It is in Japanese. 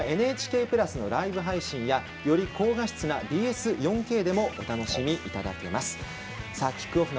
ＮＨＫプラスのライブ配信や、より高画質のＢＳ４Ｋでもお楽しみいただけます。